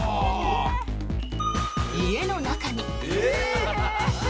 家の中に。